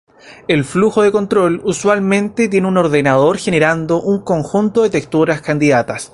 El flujo de control usualmente tiene un ordenador generando un conjunto de textura candidatas.